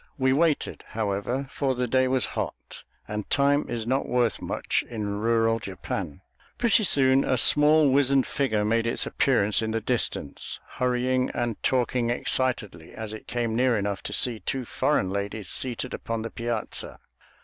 We waited, however, for the day was hot, and time is not worth much in rural Japan. Pretty soon a small, wizened figure made its appearance in the distance, hurrying and talking excitedly as it came near enough to see two foreign ladies seated upon the piazza.